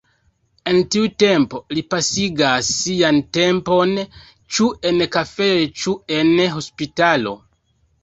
En tiu tempo li pasigas sian tempon ĉu en kafejoj ĉu en hospitalo.